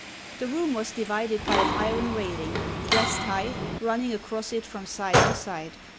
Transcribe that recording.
The room was divided by an iron railing, breast high, running across it from side to side.